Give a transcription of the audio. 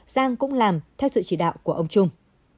giang cũng làm theo sự chỉ đạo của ông trung